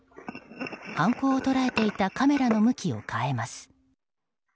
犯行を捉えていたカメラの向きを変えます。